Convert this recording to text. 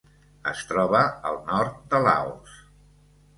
Es troba al nord de Laos.